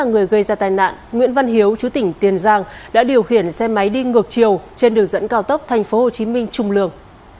một người gây ra tai nạn nguyễn văn hiếu chú tỉnh tiền giang đã điều khiển xe máy đi ngược chiều trên đường dẫn cao tốc tp hcm trùng lường